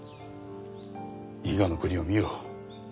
伊賀国を見よ。